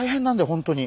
本当に。